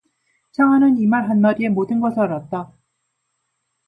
창하는 이 말 한 마디에 모든 것을 알았다.